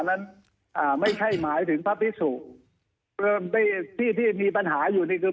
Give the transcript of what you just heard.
นั้นอ่าไม่ใช่หมายถึงพระพิสุที่ที่มีปัญหาอยู่นี่คือ